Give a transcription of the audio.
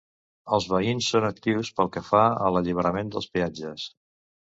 Els veïns són actius pel que fa a l'alliberament dels peatges.